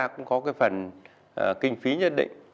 cũng có cái phần kinh phí nhất định